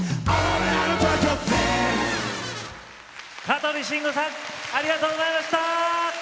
香取慎吾さんありがとうございました。